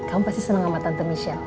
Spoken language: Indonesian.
kamu pasti seneng sama tante michelle